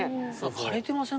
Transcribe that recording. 枯れてません？